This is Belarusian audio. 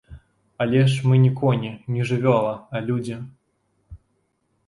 Але ж мы не коні, не жывёла, а людзі!